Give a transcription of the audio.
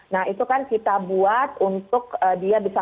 nah itu kan kita buat untuk dia bisa